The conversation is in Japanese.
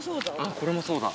これもそうだ。